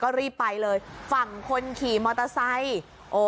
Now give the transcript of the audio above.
ก็รีบไปเลยฝั่งคนขี่มอเตอร์ไซค์โอ้